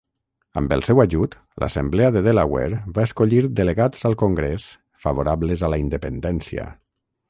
Amb el seu ajut, l'Assemblea de Delaware va escollir delegats al Congrés favorables a la independència.